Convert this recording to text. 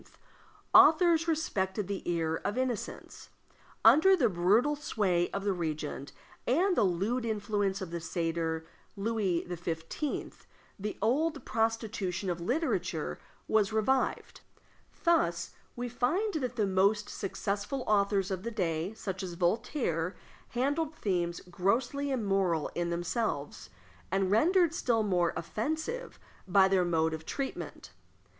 authors respected the ear of innocence; under the brutal sway of the regent, and the lewd influence of the satyr Louis XV., the old prostitution of literature was revived. Thus we find that the most successful authors of the day, such as Voltaire, handled themes grossly immoral in themselves, and rendered still more offensive by their mode of treatment.